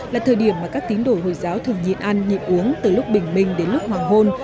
là thời điểm mà các tín đồ hồi giáo thường nhịn ăn nhịn uống từ lúc bình minh đến lúc hoàng hôn